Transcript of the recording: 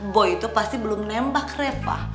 boy itu pasti belum nembak repa